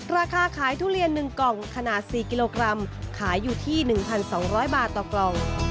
ราคาขายทุเรียน๑กล่องขนาด๔กิโลกรัมขายอยู่ที่๑๒๐๐บาทต่อกล่อง